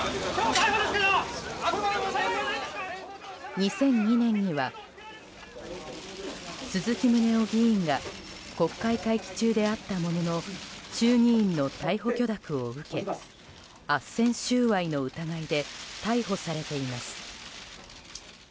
２００２年には、鈴木宗男議員が国会会期中であったものの衆議院の逮捕許諾を受けあっせん収賄の疑いで逮捕されています。